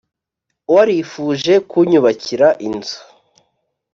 Warifuje kunyubakira inzu